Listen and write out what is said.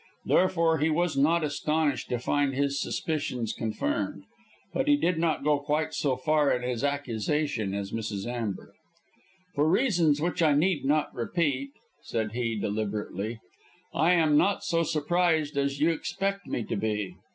Therefore he was not astonished to find his suspicions confirmed, but he did not go quite so far in his accusation as Mrs. Amber. "For reasons which I need not repeat," said he, deliberately, "I am not so surprised as you expect me to be.